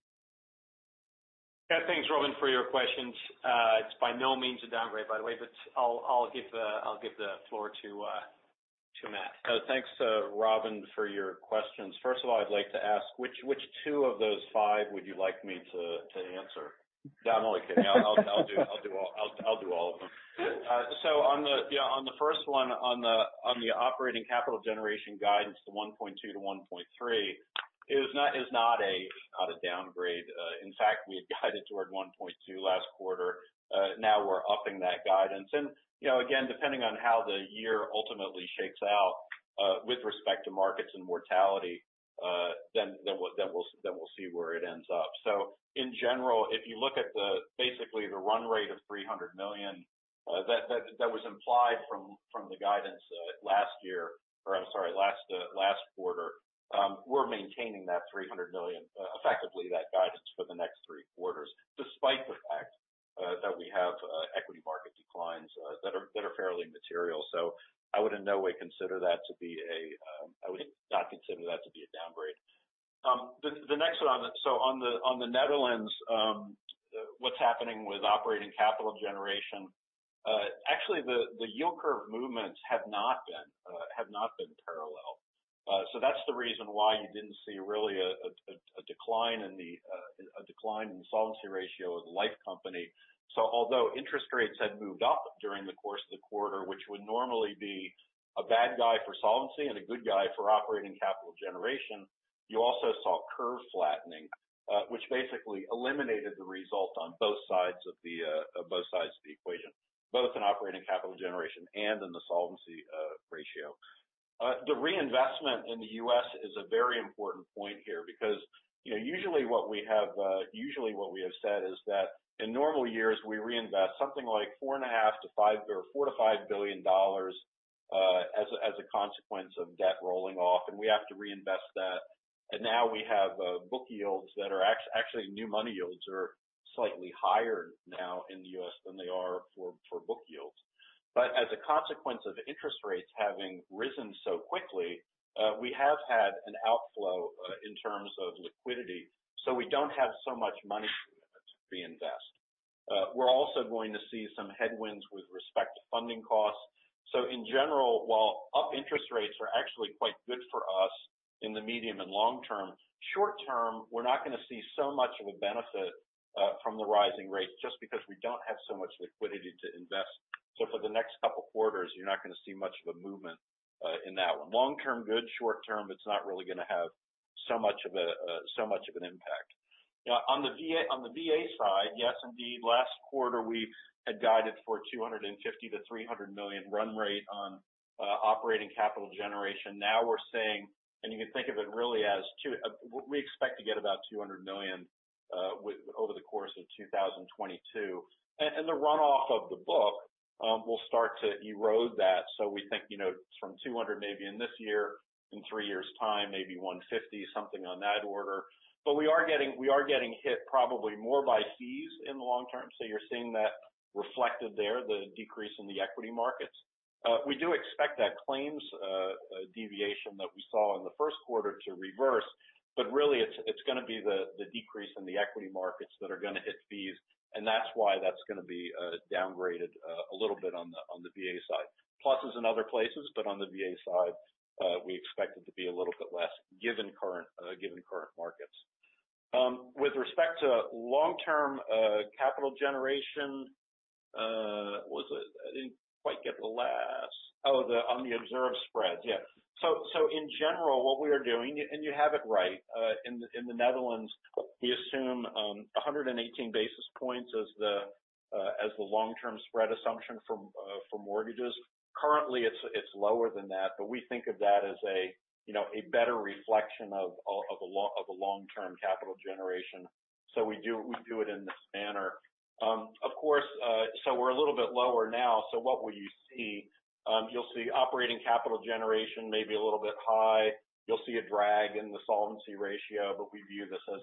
Yeah. Thanks, Robin, for your questions. It's by no means a downgrade, by the way, but I'll give the floor to Matt. Thanks, Robin, for your questions. First of all, I'd like to ask which two of those five would you like me to answer? No, I'm only kidding. I'll do all of them. Good. On the first one, on the operating capital generation guidance, the 1.2-1.3 is not a downgrade. In fact, we had guided toward 1.2 last quarter. Now we're upping that guidance. You know, again, depending on how the year ultimately shakes out with respect to markets and mortality, then we'll see where it ends up. In general, if you look at basically the run rate of 300 million that was implied from the guidance last quarter, we're maintaining that 300 million effectively that guidance for the next three quarters, despite the fact that we have equity market declines that are fairly material. I would not consider that to be a downgrade. The next one on the Netherlands, what's happening with operating capital generation? Actually, the yield curve movements have not been parallel. That's the reason why you didn't see really a decline in the solvency ratio of the Life company. Although interest rates had moved up during the course of the quarter, which would normally be a bad guy for solvency and a good guy for operating capital generation, you also saw curve flattening, which basically eliminated the result on both sides of the equation, both in operating capital generation and in the solvency ratio. The reinvestment in the U.S. is a very important point here because, you know, usually what we have said is that in normal years, we reinvest something like $4.5 billion-$5 billion or $4 billion-$5 billion, as a consequence of debt rolling off, and we have to reinvest that. Now we have book yields that are actually new money yields are slightly higher now in the U.S. than they are for book yields. As a consequence of interest rates having risen so quickly, we have had an outflow in terms of liquidity, so we don't have so much money to reinvest. We're also going to see some headwinds with respect to funding costs. In general, while higher interest rates are actually quite good for us in the medium and long term, short term, we're not gonna see so much of a benefit from the rising rates just because we don't have so much liquidity to invest. For the next couple quarters, you're not gonna see much of a movement in that one. Long term, good. Short term, it's not really gonna have so much of an impact. On the VA side, yes, indeed. Last quarter, we had guided for 250-300 million run rate on operating capital generation. Now we're saying you can think of it really as two. We expect to get about 200 million over the course of 2022. The runoff of the book will start to erode that. We think, you know, from 200 maybe in this year, in three years time, maybe 150, something on that order. We are getting hit probably more by fees in the long term. You're seeing that reflected there, the decrease in the equity markets. We do expect that claims deviation that we saw in the first quarter to reverse. Really it's gonna be the decrease in the equity markets that are gonna hit fees, and that's why that's gonna be downgraded a little bit on the VA side. Pluses in other places, but on the VA side, we expect it to be a little bit less given current markets. With respect to long-term capital generation, I didn't quite get the last. Oh, on the observed spreads. Yeah. In general, what we are doing, and you have it right, in the Netherlands, we assume 118 basis points as the long-term spread assumption for mortgages. Currently it's lower than that, but we think of that as you know, a better reflection of a long-term capital generation. We do it in this manner. Of course, we're a little bit lower now, what will you see? You'll see operating capital generation may be a little bit high. You'll see a drag in the solvency ratio, but we view this as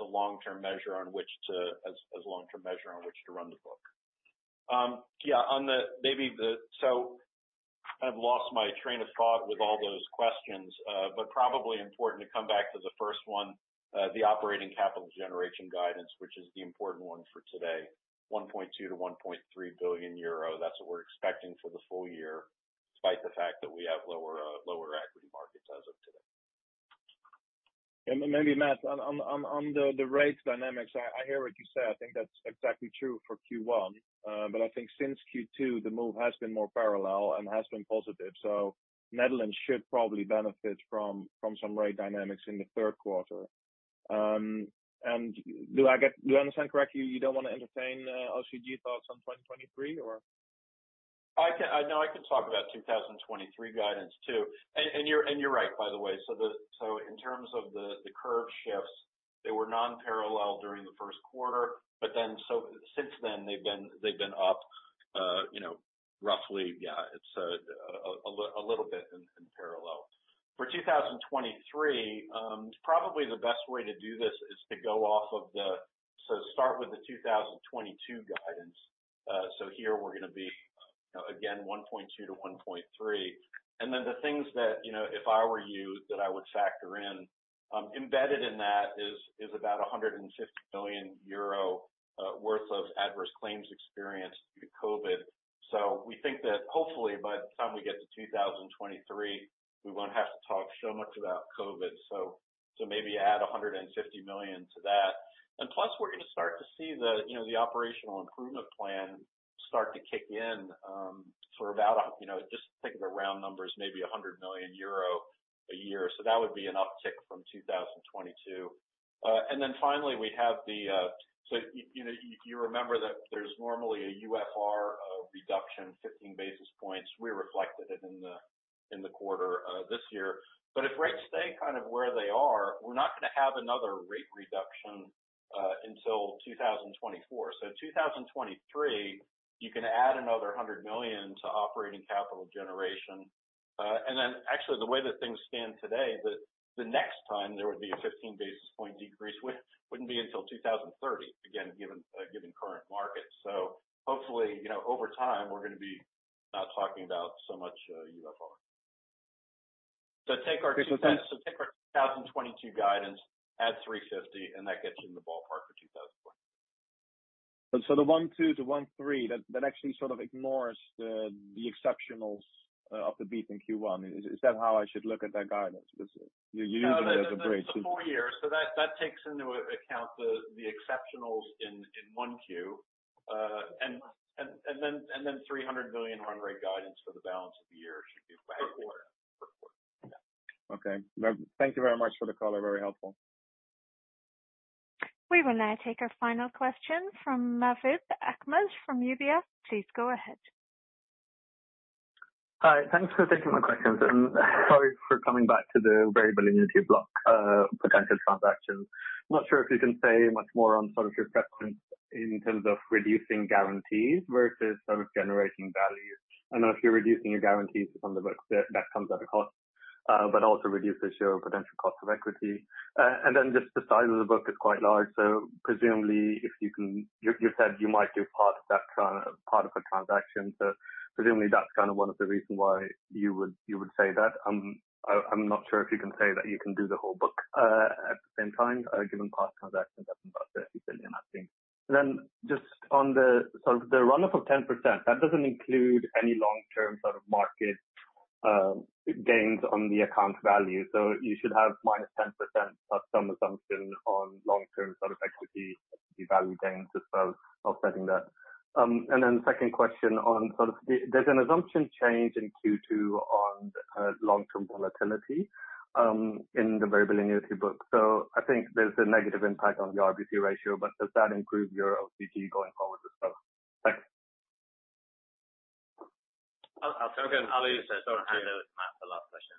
a long-term measure on which to run the book. I've lost my train of thought with all those questions, but probably important to come back to the first one, the operating capital generation guidance, which is the important one for today. 1.2 billion-1.3 billion euro, that's what we're expecting for the full year, despite the fact that we have lower equity markets as of today. Maybe, Matt, on the rates dynamics, I hear what you say. I think that's exactly true for Q1. I think since Q2, the move has been more parallel and has been positive. Netherlands should probably benefit from some rate dynamics in the third quarter. Do I understand correctly, you don't wanna entertain OCG thoughts on 2023 or? I can talk about 2023 guidance too. You're right, by the way. In terms of the curve shifts, they were non-parallel during the first quarter, but then since then they've been up. It's a little bit in parallel. For 2023, probably the best way to do this is to go off of the 2022 guidance. Here we're gonna be again 1.2-1.3 billion. Then the things that if I were you that I would factor in, embedded in that is about 150 billion euro worth of adverse claims experienced due to COVID. We think that hopefully by the time we get to 2023, we won't have to talk so much about COVID. Maybe add 150 million to that. Plus, we're gonna start to see the, you know, the operational improvement plan start to kick in, for about, you know, just think of the round numbers, maybe 100 million euro a year. That would be an uptick from 2022. Then finally, we have the, so you know, you remember that there's normally a UFR reduction, 15 basis points. We reflected it in the quarter this year. If rates stay kind of where they are, we're not gonna have another rate reduction until 2024. 2023, you can add another 100 million to operating capital generation. Actually the way that things stand today, the next time there would be a 15 basis point decrease wouldn't be until 2030. Again, given current markets. Hopefully, you know, over time, we're gonna be not talking about so much UFR. Take our 2022 guidance, add 350, and that gets you in the ballpark for 2023. The 1.2-1.3, that actually sort of ignores the exceptionals of the beat in Q1. Is that how I should look at that guidance? Because you're using it as a bridge. No, that's four years. That takes into account the exceptionals in 1Q. Then 300 million run rate guidance for the balance of the year should give you Okay. Fourth quarter. Yeah. Okay. Thank you very much for the color. Very helpful. We will now take our final question from Nasib Ahmed from UBS. Please go ahead. Hi. Thanks for taking my questions. Sorry for coming back to the variable annuity block, potential transaction. Not sure if you can say much more on sort of your preference in terms of reducing guarantees versus sort of generating value. I know if you're reducing your guarantees on the books, that comes at a cost, but also reduces your potential cost of equity. Just the size of the book is quite large. Presumably, if you can. You said you might do part of that transaction. Presumably, that's kind of one of the reason why you would say that. I'm not sure if you can say that you can do the whole book at the same time, given past transactions at about 30 billion, I think. Just on the sort of runoff of 10%, that doesn't include any long-term sort of market gains on the account value. You should have -10% plus some assumption on long-term sort of equity value gains as well offsetting that. Second question on the assumption change in Q2 on long-term volatility in the variable annuity book. I think there's a negative impact on the RBC ratio, but does that improve your OCG going forward as well? Thanks. I'll take it. I'll leave it so I hand over to Matt for the last question.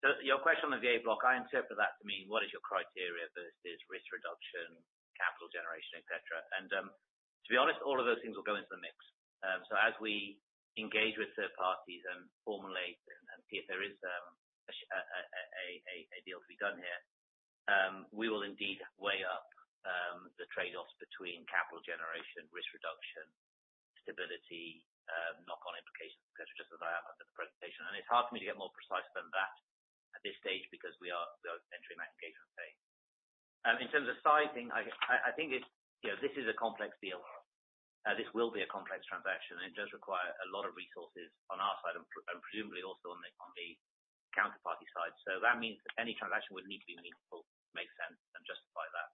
So your question on the VA block, I interpret that to mean what is your criteria versus risk reduction, capital generation, et cetera. To be honest, all of those things will go into the mix. So as we engage with third parties and formulate and see if there is a deal to be done here, we will indeed weigh up the trade-offs between capital generation, risk reduction, stability, knock-on implications, et cetera, just as I have under the presentation. It's hard for me to get more precise than that at this stage because we are entering that engagement phase. In terms of sizing, I think it's you know, this is a complex deal. This will be a complex transaction, and it does require a lot of resources on our side and presumably also on the counterparty side. That means that any transaction would need to be meaningful to make sense and justify that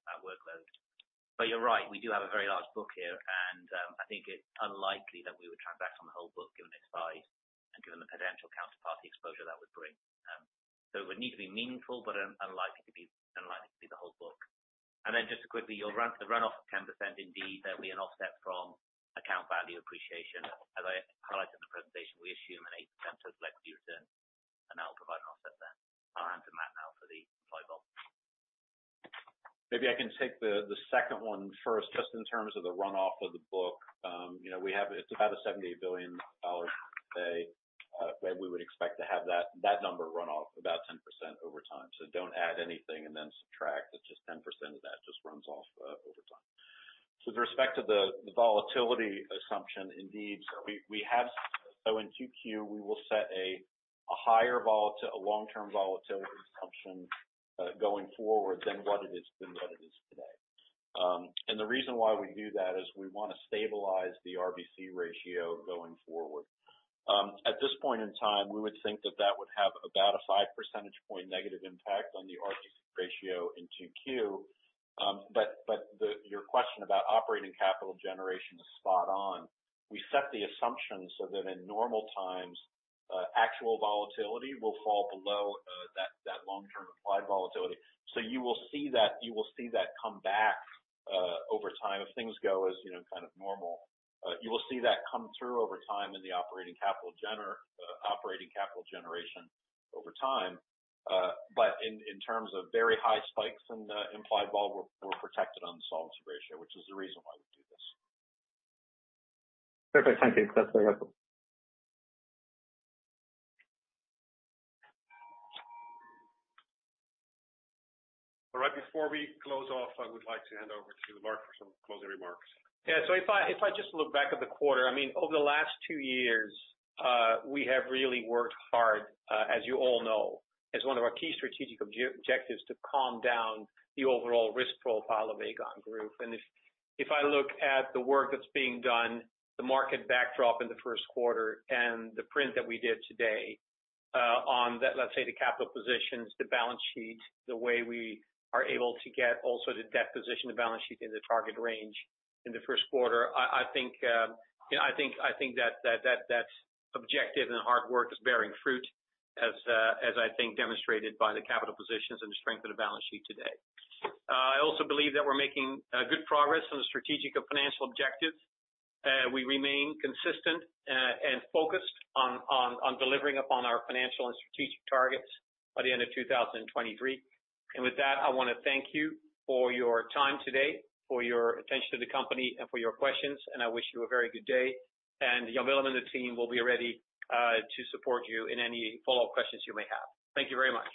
workload. You're right, we do have a very large book here, and I think it's unlikely that we would transact on the whole book given its size and given the potential counterparty exposure that would bring. It would need to be meaningful but unlikely to be the whole book. Just quickly, the runoff scenario indeed there'll be an offset from account value appreciation. As I highlighted in the presentation, we assume an 8% equity return, and that will provide an offset then. I'll hand to Matt now for the implied vol. Maybe I can take the second one first, just in terms of the runoff of the book. You know, we have it's about a $78 billion book, where we would expect to have that number run off about 10% over time. Don't add anything and then subtract. It's just 10% of that just runs off over time. With respect to the volatility assumption, indeed, in Q2, we will set a higher long-term volatility assumption going forward than what it is today. The reason why we do that is we wanna stabilize the RBC ratio going forward. At this point in time, we would think that that would have about a 5 percentage point negative impact on the RBC ratio in Q2. Your question about operating capital generation is spot on. We set the assumption so that in normal times, actual volatility will fall below that long-term implied volatility. You will see that come back over time. If things go as you know kind of normal, you will see that come through over time in the operating capital generation over time. In terms of very high spikes in the implied vol, we're protected on the solvency ratio, which is the reason why we do this. Perfect. Thank you. That's very helpful. All right. Before we close off, I would like to hand over to Lard Friese for some closing remarks. Yeah. If I just look back at the quarter, I mean, over the last two years, we have really worked hard, as you all know, as one of our key strategic objectives to calm down the overall risk profile of Aegon Group. If I look at the work that's being done, the market backdrop in the first quarter and the print that we did today, on the, let's say, the capital positions, the balance sheet, the way we are able to get also the debt position, the balance sheet in the target range in the first quarter, I think, you know, I think that that's objective and hard work is bearing fruit as I think demonstrated by the capital positions and the strength of the balance sheet today. I also believe that we're making good progress on the strategic and financial objectives. We remain consistent and focused on delivering upon our financial and strategic targets by the end of 2023. With that, I wanna thank you for your time today, for your attention to the company, and for your questions. I wish you a very good day. Jan-Willem and the team will be ready to support you in any follow-up questions you may have. Thank you very much.